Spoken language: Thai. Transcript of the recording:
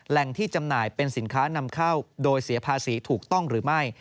แหล่งที่จำหน่ายเป็นสินค้านำเข้าโดยเสียภาษีถูกต้องหรือไม่